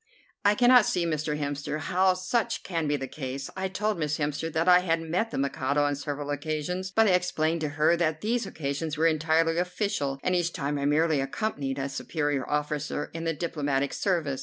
"I cannot see, Mr. Hemster, how such can be the case. I told Miss Hemster that I had met the Mikado on several occasions, but I explained to her that these occasions were entirely official, and each time I merely accompanied a superior officer in the diplomatic service.